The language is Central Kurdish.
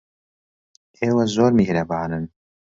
ئێوە زۆر میهرەبانن.